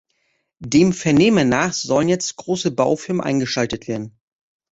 Dem Vernehmen nach sollen jetzt große Baufirmen eingeschaltet werden.